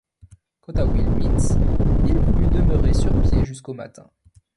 Quant à Will Mitz, il voulut demeurer sur pied jusqu’au matin.